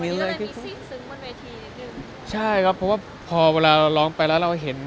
มีอะไรที่คงใช่ครับเพราะว่าพอเวลาร้องไปแล้ว